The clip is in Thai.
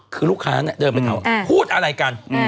คือลูกค้าเนี่ยเดินไปถามว่าพูดอะไรกัน